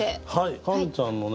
カンちゃんのね